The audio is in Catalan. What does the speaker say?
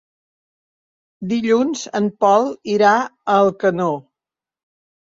Dilluns en Pol irà a Alcanó.